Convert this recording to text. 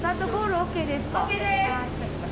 ＯＫです。